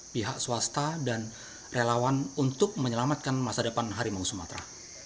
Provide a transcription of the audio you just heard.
pihak swasta dan relawan untuk menyelamatkan masa depan harimau sumatera